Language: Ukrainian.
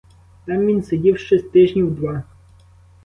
Там він сидів щось тижнів два.